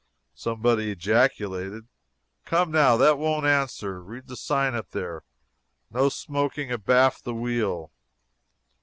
Somebody ejaculated: "Come, now, that won't answer. Read the sign up there NO SMOKING ABAFT THE WHEEL!"